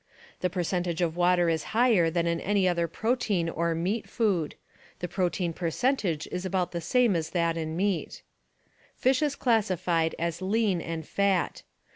The percentage of water is higher than in any other protein or meat food; the protein percentage is about the same as that in meat. Fish is classified as lean and fat.